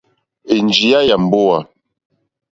Ènjìyá yà mbówà.